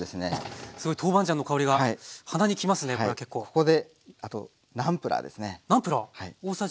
ここであとナンプラーですね。